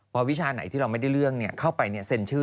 พอวิชาไหนที่เราไม่ได้เรื่องเข้าไปเซ็นชื่อ